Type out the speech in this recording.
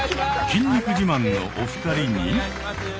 筋肉自慢のお二人に。